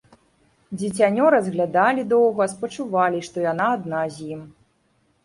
Дзіцянё разглядалі доўга, спачувалі, што яна адна з ім.